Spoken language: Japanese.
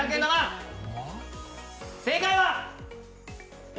正解は！